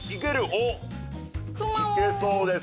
おっいけそうです！